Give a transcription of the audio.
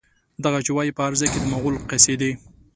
دغه چې وايي، په هر ځای کې د مغول قصيدې